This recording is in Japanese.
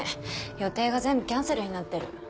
予定が全部キャンセルになってる。